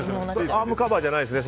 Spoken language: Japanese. アームカバーじゃないですよね